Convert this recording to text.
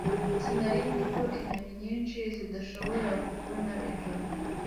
Sinari nzi ko inyoni nyinshi zidashobora kubona nijoro